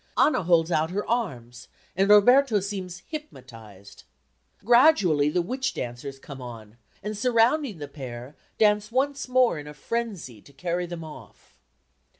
Anna holds out her arms, and Roberto seems hypnotised. Gradually the witch dancers come on, and surrounding the pair dance once more in frenzy row carry them off.